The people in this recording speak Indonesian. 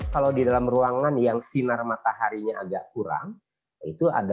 kalau di dalam ruangan yang sinar mataharinya agak kurang